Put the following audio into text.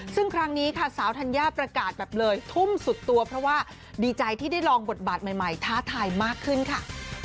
ซึ่งครั้งนี้ค่ะสาวธัญญาประกาศแบบเลยทุ่มสุดตัวเพราะว่าดีใจที่ได้ลองบทบาทใหม่ท้าทายมากขึ้นค่ะ